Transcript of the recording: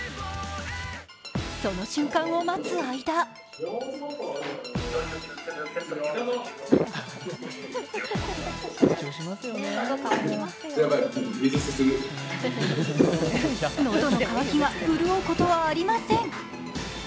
その瞬間を待つ間喉の渇きが潤うことはありません。